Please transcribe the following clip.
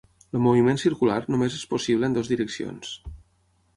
El moviment circular només és possible en dues direccions.